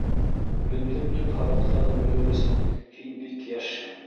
Үлемдең төп һабаҡтарын белер өсөн һин бик йәшһең.